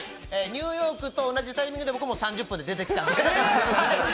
ニューヨークと同じタイミングで僕も３０分で出てきたんで。